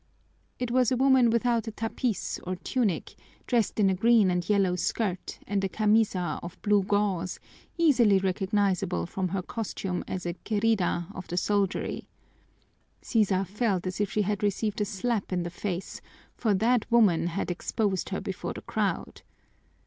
It was a woman without a tapis, or tunic, dressed in a green and yellow skirt and a camisa of blue gauze, easily recognizable from her costume as a querida of the soldiery. Sisa felt as if she had received a slap in the face, for that woman had exposed her before the crowd.